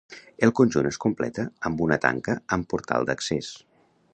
El conjunt es completa amb una tanca amb portal d'accés.